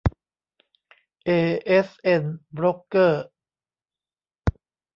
เอเอสเอ็น โบรกเกอร์